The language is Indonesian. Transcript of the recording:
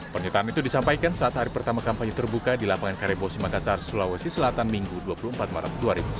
pernyataan itu disampaikan saat hari pertama kampanye terbuka di lapangan karebosi makassar sulawesi selatan minggu dua puluh empat maret dua ribu sembilan belas